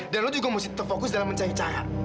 dan lo juga mesti tetep fokus dalam mencari cara